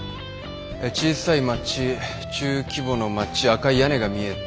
小さい町中規模の町赤い屋根が見えて。